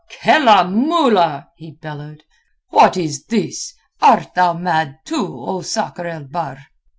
"Kellamullah!" he bellowed. "What is this? Art thou mad, too, O Sakr el Bahr?"